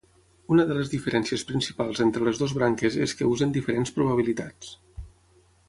Una de les diferències principals entre les dues branques és que usen diferents probabilitats.